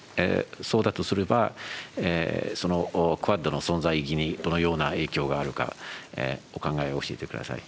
そうだとすれば、そのクアッドの存在意義に、どのような影響があるか、お考えを教えてください。